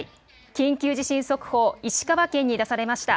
緊急地震速報、石川県に出されました。